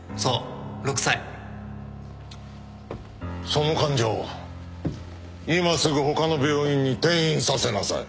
その患者を今すぐ他の病院に転院させなさい。